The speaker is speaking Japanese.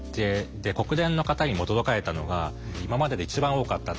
で国連の方にも驚かれたのが今までで一番多かったと。